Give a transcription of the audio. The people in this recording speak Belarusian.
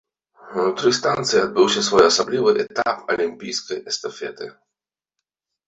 Унутры станцыі адбыўся своеасаблівы этап алімпійскай эстафеты.